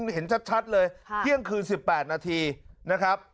เห็นชัดเลยเที่ยงคืน๑๘นาทีนะครับ